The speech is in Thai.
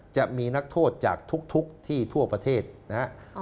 จะมีนักโทษจากทุกที่ทั่วประเทศนะครับ